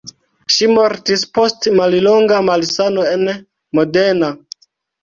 Ŝi mortis post mallonga malsano en Modena.